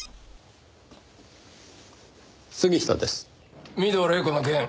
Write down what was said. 杉下です。